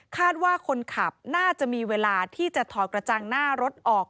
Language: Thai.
คาดว่าคนขับน่าจะมีเวลาที่จะถอดกระจังหน้ารถออก